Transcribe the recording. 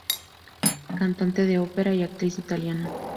Cantante de ópera y actriz italiana.